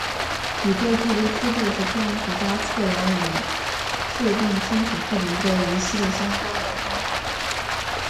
宇宙距离梯度是天文学家测量与确定天体距离的一系列相关联方法。